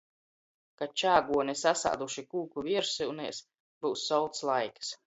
Ka čāguoni sasāduši kūku viersyunēs, byus solts laiks.